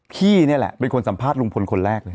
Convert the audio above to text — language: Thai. พี่นี่แหละเป็นคนสัมภาษณ์ลุงพลคนแรกเลย